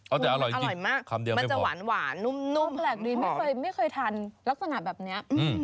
อืมอร่อยมากมันจะหวานหวานนุ่มนุ่มไม่เคยทานลักษณะแบบเนี้ยอืม